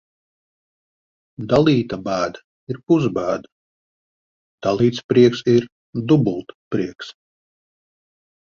Dalīta bēda ir pusbēda, dalīts prieks ir dubultprieks.